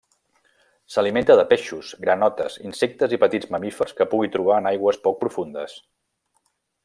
S'alimenta de peixos, granotes, insectes i petits mamífers que pugui trobar en aigües poc profundes.